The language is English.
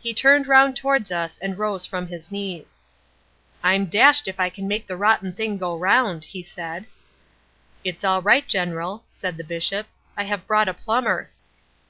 "He turned round towards us and rose from his knees. "'I'm dashed if I can make the rotten thing go round,' he said. "'It's all right, General,' said the Bishop. 'I have brought a plumber.'